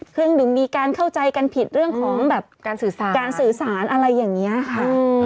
เครื่องดื่มมีการเข้าใจกันผิดเรื่องของแบบการสื่อสารอะไรอย่างนี้ค่ะ